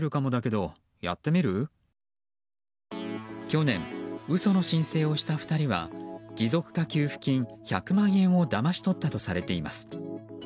去年、嘘の申請をした２人は持続化給付金１００万円をだまし取ったとされています。